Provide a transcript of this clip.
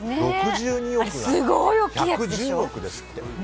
６２億が１１０億ですって。